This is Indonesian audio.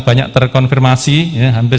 banyak terkonfirmasi ya hampir